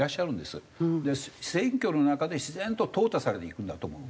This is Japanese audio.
で選挙の中で自然と淘汰されていくんだと思う。